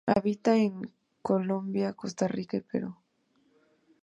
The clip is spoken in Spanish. Habita en Colombia, Costa Rica y Perú.